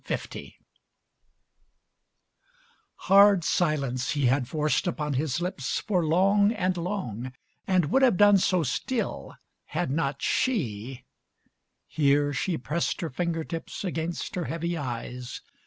XLI Hard silence he had forced upon his lips For long and long, and would have done so still Had not she here she pressed her finger tips Against her heavy eyes.